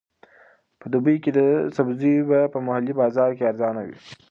په دوبي کې د سبزیو بیه په محلي بازار کې ارزانه وي.